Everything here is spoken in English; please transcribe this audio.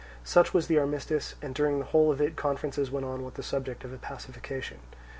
Such was the armistice, and during the whole of it conferences went on on the subject of a pacification.